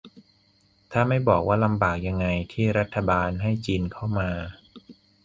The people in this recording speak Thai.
ถ้าไม่บอกว่าลำบากยังไง ที่รัฐบาลให้จีนเข้ามา